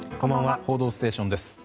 「報道ステーション」です。